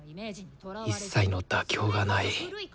一切の妥協がない。